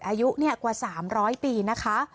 อายุกว่า๓๐๐ปีนะคะ